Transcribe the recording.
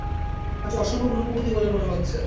আজ অসম্ভব রূপবতী বলে মনে হচ্ছে।